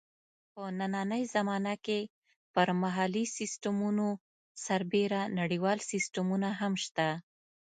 په نننۍ زمانه کې پر محلي سیسټمونو سربېره نړیوال سیسټمونه هم شته.